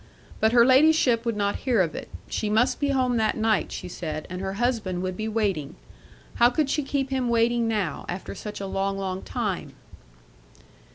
But her ladyship would not hear of it; she must be home that night, she said, and her husband would be waiting. How could she keep him waiting now, after such a long, long time?